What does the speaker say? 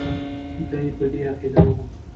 دی په دې عقیده وو.